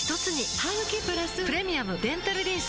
ハグキプラス「プレミアムデンタルリンス」